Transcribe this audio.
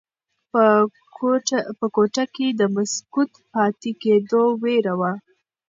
په کوټه کې د مسکوت پاتې کېدو ویره وه.